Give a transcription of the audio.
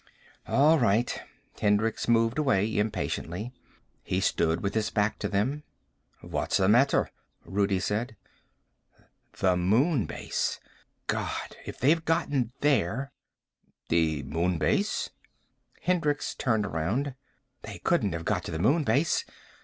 "All right." Hendricks moved away impatiently. He stood with his back to them. "What's the matter?" Rudi said. "The Moon Base. God, if they've gotten there " "The Moon Base?" Hendricks turned around. "They couldn't have got to the Moon Base.